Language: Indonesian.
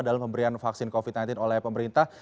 dalam pemberian vaksin covid sembilan belas oleh pemerintah